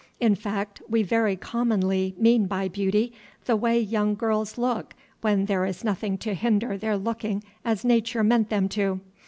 In fact, we very commonly mean by beauty the way young girls look when there is nothing to hinder their looking as Nature meant them to.